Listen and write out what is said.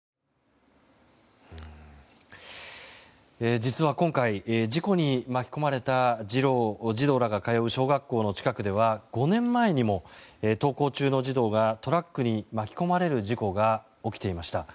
実は今回事故に巻き込まれた児童らが通う小学校の近くでは５年前にも登校中の児童がトラックに巻き込まれる事故が起きていました。